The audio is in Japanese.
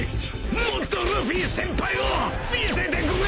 ［もっとルフィ先輩を見せてくれ］